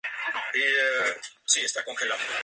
Sus padres fueron Tomás San Miguel y Ana Josefa Díaz.